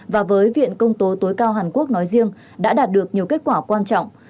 và với viện công tố tối cao hàn quốc nói riêng đã đạt được nhiều kết quả quan trọng